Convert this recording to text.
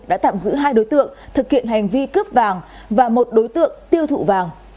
đã tạm giữ hai đối tượng thực hiện hành vi cướp vàng và một đối tượng tiêu thụ vàng